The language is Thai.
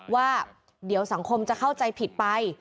ว่าเดี๋ยวสังคมจะเข้าใจผิดไป